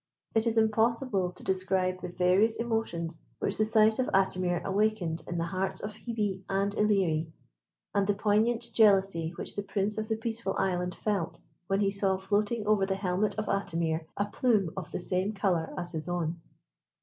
It is impossible to describe the various emotions which the sight of Atimir awakened in the hearts of Hebe and Ilerie, and the poignant jealousy which the Prince of the Peaceful Island felt when he saw floating over the helmet of Atimir, a plume of the same colour as his own.